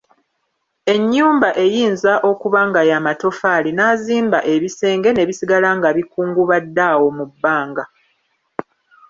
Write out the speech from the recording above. Ennyumba eyinza okuba nga ya matoffaali n'azimba ebisenge ne bisigala nga bikungubadde awo mu bbanga.